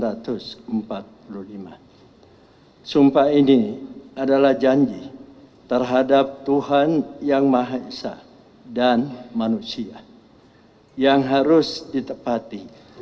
hai sumpah ini adalah janji terhadap tuhan yang maha esa dan manusia yang harus ditepatikan